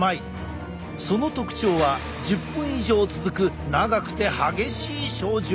その特徴は１０分以上続く長くて激しい症状。